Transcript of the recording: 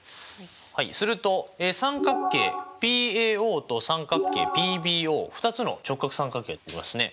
すると三角形ＰＡＯと三角形ＰＢＯ２つの直角三角形ができますね。